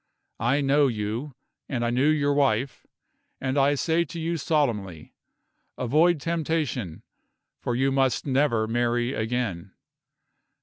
I know you, and I knew your wife, and I say to you solemnly, avoid temptation, for you must never marry again.